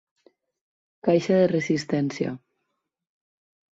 Caixa de resistència.